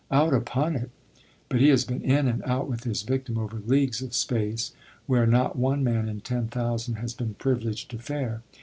Out upon it! But he has been in and out with his victim over leagues of space where not one man in ten thousand has been privileged to fare.